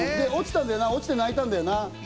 落ちて泣いたんだよな？